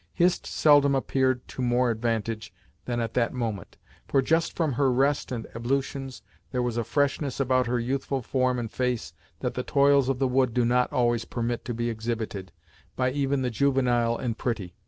Hist seldom appeared to more advantage than at that moment, for just from her rest and ablutions, there was a freshness about her youthful form and face that the toils of the wood do not always permit to be exhibited, by even the juvenile and pretty.